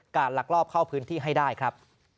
ลักลอบเข้าพื้นที่ให้ได้ครับ